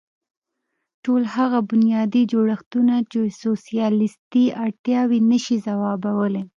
ټول هغه بنیادي جوړښتونه چې سوسیالېستي اړتیاوې نه شي ځوابولی.